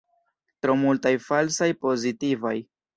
Tro multaj falsaj pozitivaj.